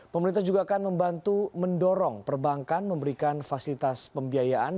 pemerintah juga akan membantu mendorong perbankan memberikan fasilitas pembiayaan